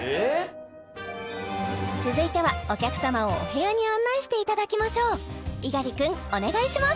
続いてはお客様をお部屋に案内していただきましょう猪狩君お願いします